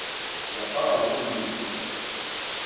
La qqareɣ yiwen n wedlis.